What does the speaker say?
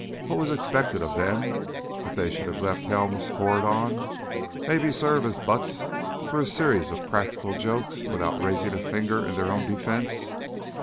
What was expected of them—that they should have let Helms pour it on—maybe serve as butts for a series of practical jokes without raising a finger in their own defense?